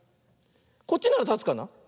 こっちならたつかな。